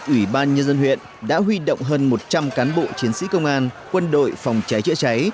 ủy ban nhân dân huyện đã huy động hơn một trăm linh cán bộ chiến sĩ công an quân đội phòng cháy chữa cháy